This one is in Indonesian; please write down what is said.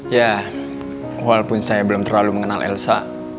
ya walaupun saya belum terlalu mengenal elsa